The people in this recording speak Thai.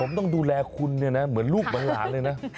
ผมต้องดูแลคุณเนี่ยนะเหมือนลูกเหมือนหลานเลยนะ